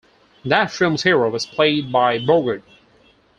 That film's hero was played by Bogart.